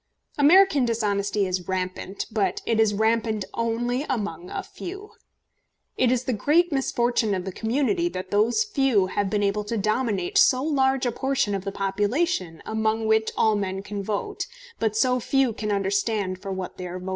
American dishonesty is rampant; but it is rampant only among a few. It is the great misfortune of the community that those few have been able to dominate so large a portion of the population among which all men can vote, but so few can understand for what they are voting.